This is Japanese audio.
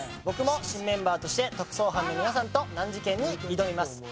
僕も新メンバーとして特捜班の皆さんと難事件に挑みます。